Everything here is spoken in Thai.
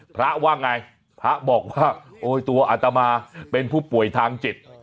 พระว่าไงพระบอกว่าโอ้ยตัวอัตมาเป็นผู้ป่วยทางจิต